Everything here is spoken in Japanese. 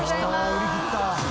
売り切った。